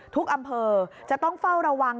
อำเภอจะต้องเฝ้าระวัง